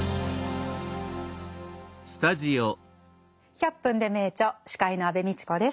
「１００分ｄｅ名著」司会の安部みちこです。